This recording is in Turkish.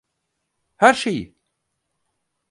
Her şeyi.